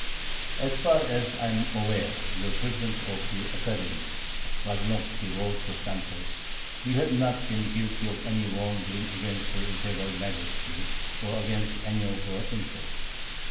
"As far as I am aware" the president of the Academy, Razumovski, wrote to Sanchez "you have not been guilty of any wrong doing against her Imperial Majesty or against any of her interests.